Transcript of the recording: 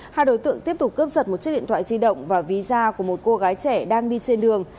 hai đối tượng tiếp tục cướp giật một chiếc điện thoại di động và ví da của một cô gái trẻ đang đi trên đường